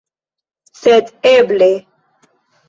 Sed eble...